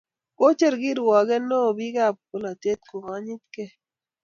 kocher kirwoket neoo biikab bolatet kokonyitgei